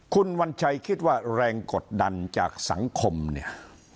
คุณวัญชัยคิดว่าแรงกดดันจากสังคมเนี่ย